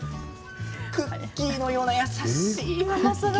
クッキーのような優しい甘さが広がりますね。